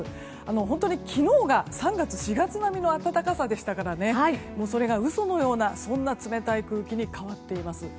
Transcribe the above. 本当に昨日が、３月、４月並みの暖かさでしたからそれが嘘のような冷たい空気に変わっています。